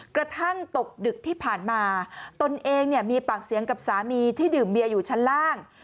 กระทั่งตกดึกที่ผ่านมาตนเองเนี่ยมีปากเสียงกับสามีที่ดื่มเบียอยู่ชั้นล่าง